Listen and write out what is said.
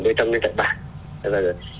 đối tâm lên tận bảng